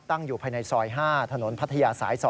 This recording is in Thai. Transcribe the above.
อยู่ภายในซอย๕ถนนพัทยาสาย๒